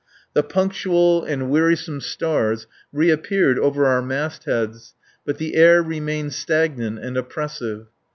The punctual and wearisome stars reappeared over our mastheads, but the air remained stagnant and oppressive.